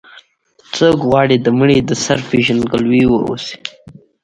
څوک غواړي د مړي د سر پېژندګلوي واوسي.